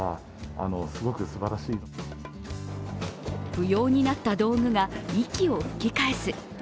不要になった道具が息を吹き返す。